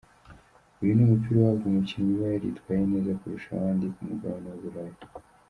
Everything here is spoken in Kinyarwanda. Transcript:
Uyu ni umupira uhabwa umukinnyi uba yaritwaye neza kurusha abandi ku mugabane w’Uburayi.